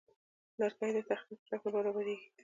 لرګی د تختې په شکل برابریږي.